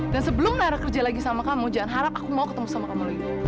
dan sebelum nara kerja lagi sama kamu jangan harap aku mau ketemu sama kamu lagi